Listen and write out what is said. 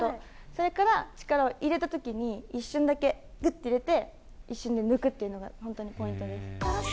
それから、力を入れたときに、一瞬だけ、ぐっと入れて、一瞬で抜くっていうのが、本当にポイントです。